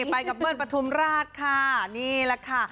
ไปกับเบิ้ลปฐุมราชค่ะนี่แหละค่ะ